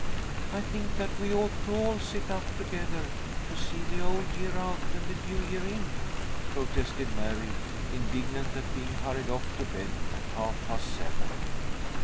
"I think that we ought to all sit up together to see the old year out and the new year in," protested Mary, indignant at being hurried off to bed at half past seven.